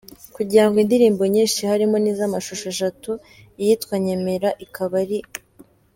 kugira indirimbo nyinshi harimo nizamashusho eshatu, iyitwa Nyemera ikaba ari.